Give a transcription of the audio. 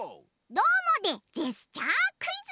「どーもＤＥジェスチャークイズ」！